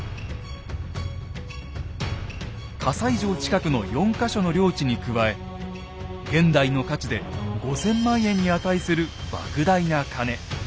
西城近くの４か所の領地に加え現代の価値で５，０００万円に値する莫大な金。